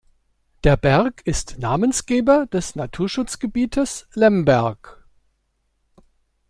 Der Berg ist Namensgeber des Naturschutzgebietes Lemberg.